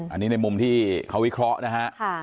อันนี้ในมุมที่เขาวิเคราะห์นะฮะ